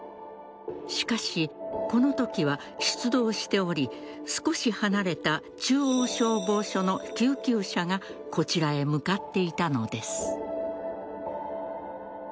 しかし、このときは出動しており少し離れた中央消防署の救急車がこちらへ向かっていたのです。